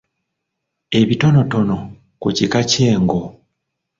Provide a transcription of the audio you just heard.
Ebitonotono ku kika ky'engo.